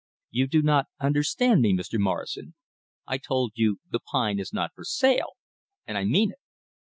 "You do not understand me, Mr. Morrison. I told you the pine is not for sale, and I mean it."